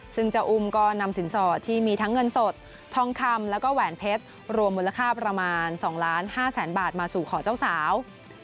ซึ่งเจ้าอุ้มก็นำสินสอดที่มีทั้งเงินสดทองคำแล้วก็แหวนเพชรรวมมูลค่าประมาณ๒ล้าน๕แสนบาทมาสู่ขอเจ้าสาว